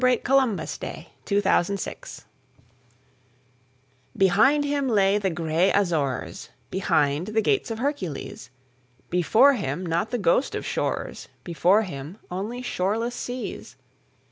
By JoaquinMiller 798 Columbus BEHIND him lay the gray Azores, Behind the Gates of Hercules; Before him not the ghost of shores, Before him only shoreless seas.